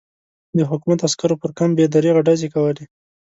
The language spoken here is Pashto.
د حکومت عسکرو پر کمپ بې دریغه ډزې کولې.